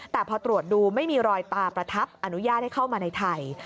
แต่พอตรวจดูไม่มีรอยตาประทับอนุญาตให้เข้ามาในไทย